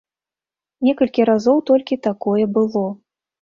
Некалькі разоў толькі такое было.